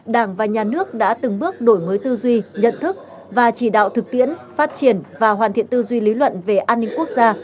đảng và nhà nước đã từng bước đổi mới tư duy nhận thức và chỉ đạo thực tiễn phát triển và hoàn thiện tư duy lý luận về an ninh quốc gia